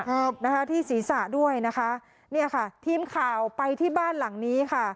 ครับนะคะที่ศีรษะด้วยนะคะเนี่ยค่ะทีมข่าวไปที่บ้านหลังนี้ค่ะ